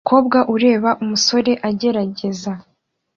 Umukobwa ureba umusore agerageza